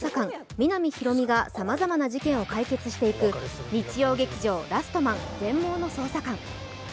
皆実広見がさまざまな事件を解決していく日曜劇場「ラストマン−全盲の捜査官−」。